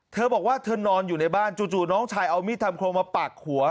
เธอบอกว่าเธอนอนอยู่ในบ้านจู่น้องชายเอามีดทำโครงมาปากหัว